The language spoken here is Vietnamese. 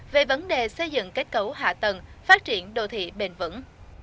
về vấn đề xây dựng kết cấu hạ tầng phát triển đô thị bền vững